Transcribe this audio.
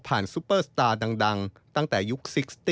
ผ่านซุปเปอร์สตาร์ดังตั้งแต่ยุค๖๐